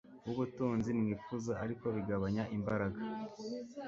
wubutunzi mwifuza ariko bigabanya imbaraga